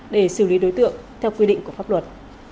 để xử lý đối tượng theo quy định của pháp luật